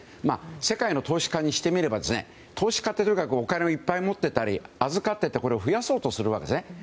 世界の投資家にしてみれば投資家って、とにかくお金をいっぱい持ってたり預かってくれるところを増やそうとするわけですね。